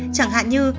chẳng hạn như